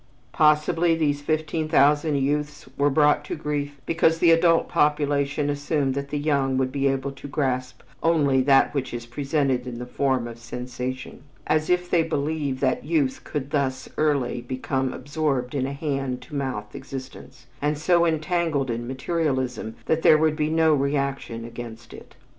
Possibly these fifteen thousand youths were brought to grief because the adult population assumed that the young would be able to grasp only that which is presented in the form of sensation; as if they believed that youth could thus early become absorbed in a hand to mouth existence, and so entangled in materialism that there would be no reaction against it.